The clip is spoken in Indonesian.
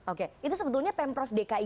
oke itu sebetulnya pemprov dki